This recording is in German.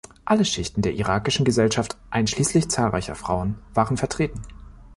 Alle Schichten der irakischen Gesellschaft, einschließlich zahlreicher Frauen, waren vertreten.